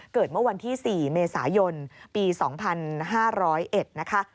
เกิดเมื่อวันที่๔เมษายนปี๒๕๐๑นะคะ